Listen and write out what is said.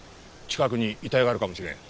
近くに遺体があるかもしれん。